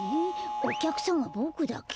おきゃくさんはボクだけ？